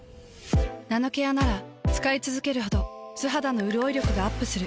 ナノケアなら使いつづけるほど素肌のうるおい力がアップする。